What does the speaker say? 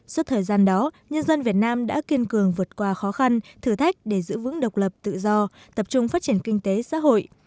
suốt thời gian đó nhân dân việt nam đã kiên cường vượt qua khó khăn thử thách để giữ vững độc lập tự do tập trung phát triển kinh tế xã hội